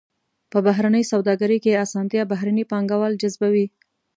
په بهرنۍ سوداګرۍ کې اسانتیا بهرني پانګوال جذبوي.